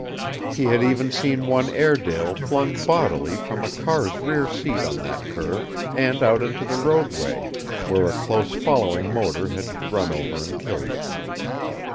He had even seen one Airedale flung bodily from a car's rear seat at that curve, and out into the roadway; where a close following motor had run over and killed it.